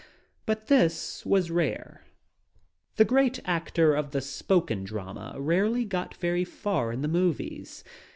But this was rare. The great actor of the spoken drama rarely got very far in the movies.